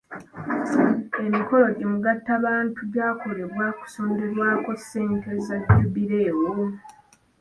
Emikolo gi mugattabantu gyakolebea okusonderako ssente za jubileewo